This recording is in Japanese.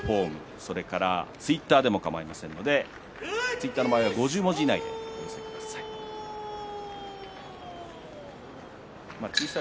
それからツイッターでもかまいませんのでツイッターの場合は５０文字以内でつぶやいてください。